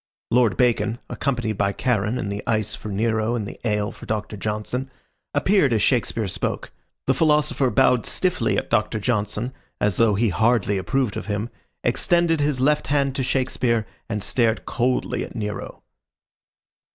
Lord Bacon, accompanied by Charon and the ice for Nero and the ale for Doctor Johnson, appeared as Shakespeare spoke. The philosopher bowed stiffly at Doctor Johnson, as though he hardly approved of him, extended his left hand to Shakespeare, and stared coldly at Nero.